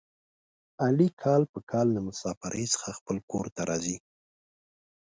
علي کال په کال له مسافرۍ څخه خپل کورته راځي.